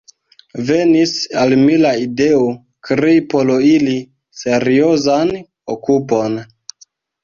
Venis al mi la ideo, krei por ili seriozan okupon.